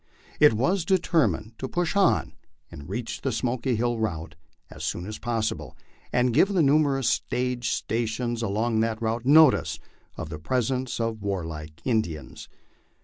It was determined to push on and reach the Smoky Hill route as soon as possible, and give the numerous stage stations along that route notice of the presence of warlike Indians.